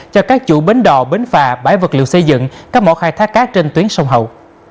cho các chủ bến đò bến phà bãi vật liệu xây dựng các mỏ khai thác cát trên tuyến sông hậu